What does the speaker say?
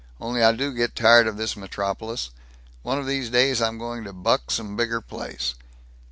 Only I do get tired of this metropolis. One of these days I'm going to buck some bigger place."